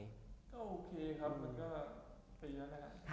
ก็โอเคครับมันก็มีเยอะนะฮะ